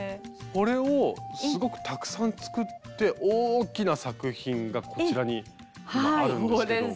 これをすごくたくさん作って大きな作品がこちらに今あるんですけども。